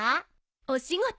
お仕事。